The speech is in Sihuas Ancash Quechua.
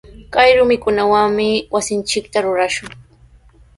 Kay rumikunawami wasinchikta rurashun.